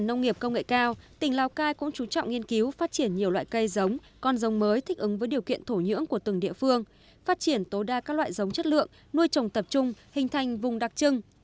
nông nghiệp công nghệ cao tỉnh lào cai cũng chú trọng nghiên cứu phát triển nhiều loại cây giống con giống mới thích ứng với điều kiện thổ nhưỡng của từng địa phương phát triển tối đa các loại giống chất lượng nuôi trồng tập trung hình thành vùng đặc trưng